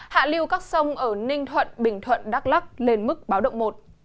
hạ lưu các sông ở ninh thuận bình thuận đắk lắc lên mức báo động một